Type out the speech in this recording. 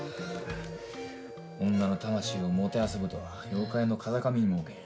女の魂をもてあそぶとは妖怪の風上にも置けん。